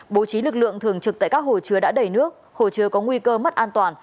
bố trí lực lượng thường trực tại các hồ chứa đã đầy nước hồ chứa có nguy cơ mất an toàn